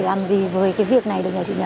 làm gì với cái việc này được nhờ chị nhờ